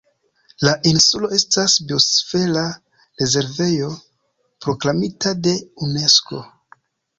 La insulo estas Biosfera rezervejo proklamita de Unesko.